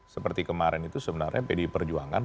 seperti kemarin itu sebenarnya pdi perjuangan